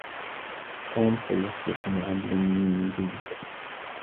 توم سيصبح معلم جيد.